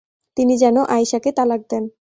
তিনি যেন আয়িশা কে তালাক দেন।